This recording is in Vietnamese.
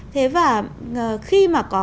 thế và khi mà có